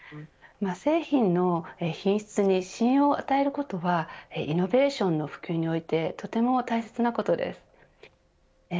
製品の品質に信用を与えることはイノベーションの普及においてとても大切なことです。